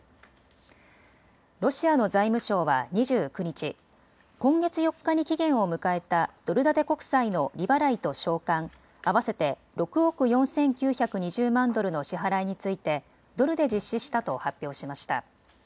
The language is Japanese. ロシアの財務省は２９日、今月４日に期限を迎えたドル建て国債の利払いと償還合わせて６億４９２０万ドルの支払いについてドルで実施したと発表しました。